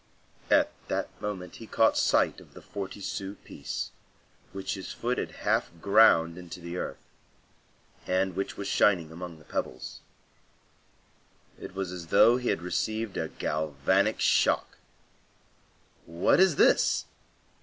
At that moment he caught sight of the forty sou piece, which his foot had half ground into the earth, and which was shining among the pebbles. It was as though he had received a galvanic shock. "What is this?"